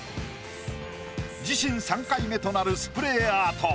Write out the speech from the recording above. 自身３回目となるスプレーアート。